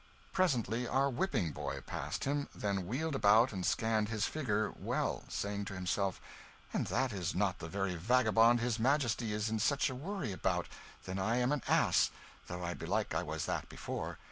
Presently our whipping boy passed him, then wheeled about and scanned his figure well, saying to himself, "An' that is not the very vagabond his Majesty is in such a worry about, then am I an ass though belike I was that before.